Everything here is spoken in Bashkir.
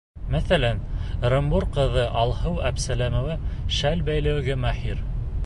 Мәҫәлән, Ырымбур ҡыҙы Алһыу Әпсәләмова шәл бәйләүгә маһир.